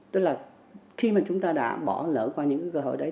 tức là khi mà chúng ta đã bỏ lỡ qua những cơ hội đấy